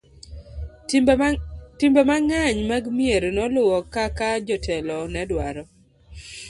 timbe mang'eny mag mier noluwo kaka jotelo nedwaro